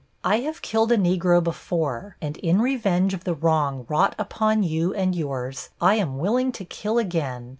I have killed a Negro before, and in revenge of the wrong wrought upon you and yours, I am willing to kill again.